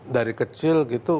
dari kecil gitu